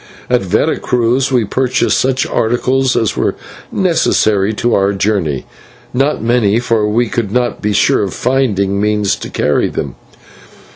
At Vera Cruz we purchased such articles as were necessary to our journey, not many, for we could not be sure of finding means to carry them.